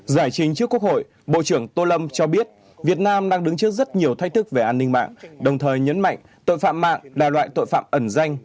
giải trình trước quốc hội bộ trưởng tô lâm cho biết việt nam đang đứng trước rất nhiều thách thức về an ninh mạng đồng thời nhấn mạnh tội phạm mạng là loại tội phạm ẩn danh